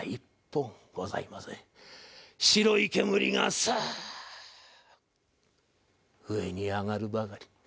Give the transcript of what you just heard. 白い煙がスーッ上に上がるばかり。